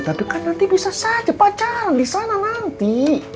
tapi kan nanti bisa saja pacaran di sana nanti